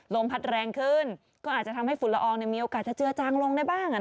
ลมพัดแรงขึ้นก็อาจจะทำให้ฝุ่นละอองมีโอกาสจะเจือจางลงได้บ้างอ่ะ